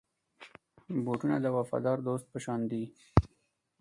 بوټونه د وفادار دوست په شان دي.